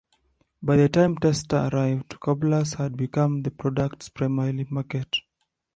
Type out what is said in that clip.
By the time Testor arrived, cobblers had become the product's primary market.